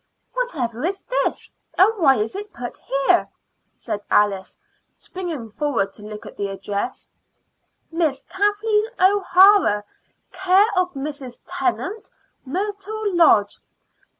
"Whatever is this, and why is it put here?" said Alice, springing forward to look at the address: "Miss Kathleen O'Hara, care of Mrs. Tennant, Myrtle Lodge."